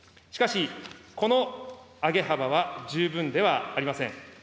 しかし、この上げ幅は十分ではありません。